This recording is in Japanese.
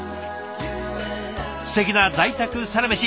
すてきな在宅サラメシ